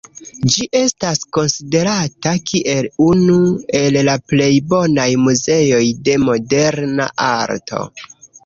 Ĝi estas konsiderata kiel unu el la plej bonaj muzeoj de moderna arto.